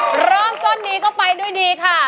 เริ่มต้นนี้ก็ไปด้วยดีค่ะ